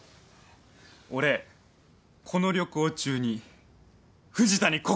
俺この旅行中に藤田に告白する！